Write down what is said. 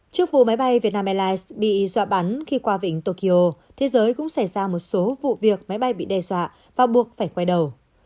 trước vụ máy bay vietnam airlines bị dọa bắn khi qua vịnh tokyo thế giới cũng xảy ra một số vụ việc máy bay bị đe dọa và buộc phải quay đầu